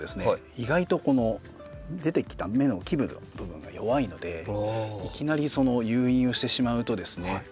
意外とこの出てきた芽の基部の部分が弱いのでいきなり誘引をしてしまうとですね